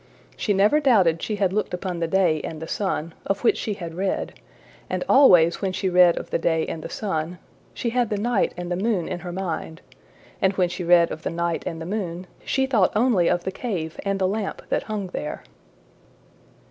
'' She never doubted she had looked upon the day and the sun, of which she had read; and always when she read of the day and the sun, she had the night and the moon in her mind; and when she read of the night and the moon, she thought only of the cave and the lamp that hung there.